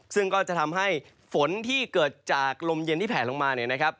ซึ่งก็จะทำให้ฝนที่เกิดจากลมเย็นที่แผลลงมาเนี่ยนะครับ